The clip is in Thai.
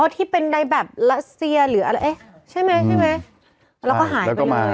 ที่เป็นใดแบบหรืออะไรใช่ไหมใช่ไหม